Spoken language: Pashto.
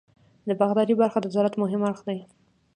د باغدارۍ برخه د زراعت مهم اړخ دی.